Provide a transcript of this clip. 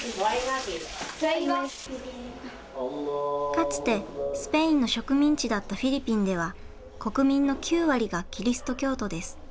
かつてスペインの植民地だったフィリピンでは国民の９割がキリスト教徒です。